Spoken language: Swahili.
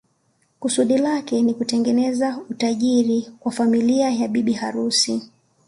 Kusudi lake si kutengeneza utajijri kwa familia ya bibi harusi